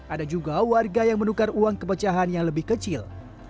ada juga warga yang menukar uang kepecahan yang lebih kecil